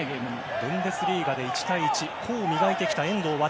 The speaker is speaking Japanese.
ブンデスリーガで１対１の個を磨いてきた遠藤航。